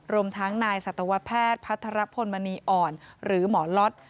รวมทั้งนายสัตวแพทย์พัทรพลมณีอ่อนหรือหมอล็อต